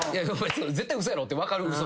絶対嘘やろって分かる嘘